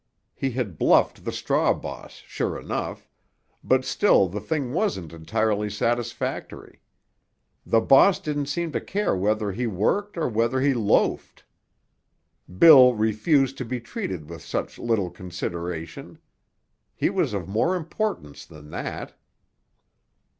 He had bluffed the straw boss, sure enough; but still the thing wasn't entirely satisfactory. The boss didn't seem to care whether he worked or whether he loafed. Bill refused to be treated with such little consideration. He was of more importance than that.